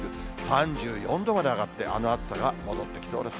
３４度まで上がって、あの暑さが戻ってきそうです。